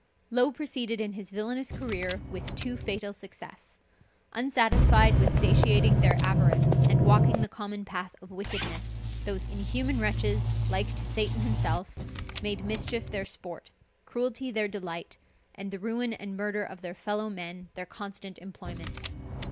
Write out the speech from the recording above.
Low proceeded in his villainous career with too fatal success. Unsatisfied with satiating their avarice and walking the common path of wickedness, those inhuman wretches, like to Satan himself, made mischief their sport, cruelty their delight, and the ruin and murder of their fellow men their constant employment.